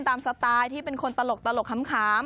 สไตล์ที่เป็นคนตลกขำ